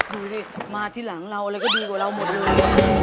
ดูสิมาที่หลังเราอะไรก็ดีกว่าเราหมดเลย